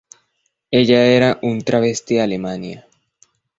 Ella era un travesti de Alemania.